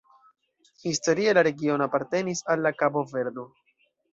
Historie la regiono apartenis al la Kabo-Verdo.